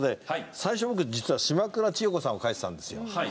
最初僕実は島倉千代子さんを書いてたんですよ。